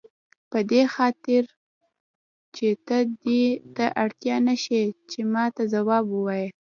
په دې خاطر چې ته دې ته اړ نه شې چې ماته ځواب ووایې.